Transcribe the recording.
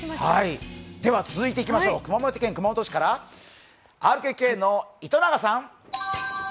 続いていきましょう、熊本県熊本市からＲＫＫの糸永さん。